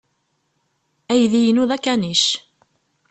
Aydi-inu d akanic.